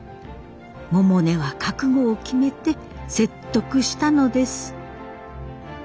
百音は覚悟を決めて説得したのです。